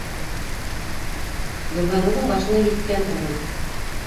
Гөлбаныуҙың башына еткән урын!